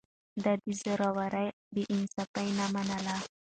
ده د زورورو بې انصافي نه منله.